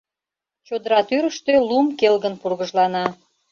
Чодыра тӱрыштӧ лум келгын пургыжлана.